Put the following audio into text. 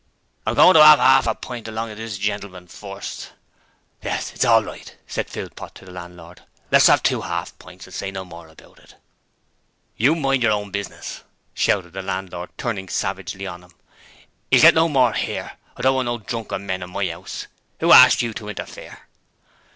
'I'm goin' to 'ave 'arf a pint along of this genelman first ' 'Yes. It's all right,' said Philpot to the landlord. 'Let's 'ave two 'arf pints, and say no more about it.' 'You mind your own business,' shouted the landlord, turning savagely on him. ''E'll get no more 'ere! I don't want no drunken men in my 'ouse. Who asked you to interfere?'